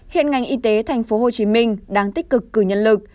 hiện ngành y tế thành phố hồ chí minh đang tích cực cử nhân lực